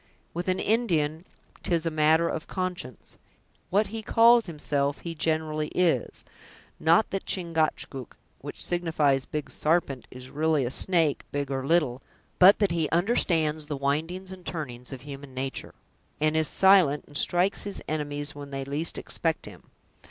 With an Indian 'tis a matter of conscience; what he calls himself, he generally is—not that Chingachgook, which signifies Big Sarpent, is really a snake, big or little; but that he understands the windings and turnings of human natur', and is silent, and strikes his enemies when they least expect him.